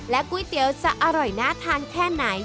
ก๋วยเตี๋ยวจะอร่อยน่าทานแค่ไหน